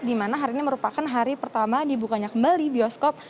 di mana hari ini merupakan hari pertama dibukanya kembali bioskop